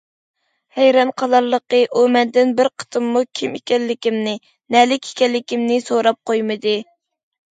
ھەيران قالارلىقى ئۇ مەندىن بىر قېتىممۇ كىم ئىكەنلىكىمنى، نەلىك ئىكەنلىكىمنى سوراپ قويمىدى.